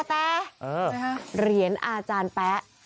แต่เหรียญอาจารย์แป๊ะ